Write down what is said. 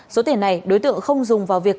số tiền này đối tượng không dùng vào việc